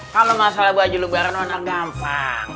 kalau masalah baju lebaran anak gampang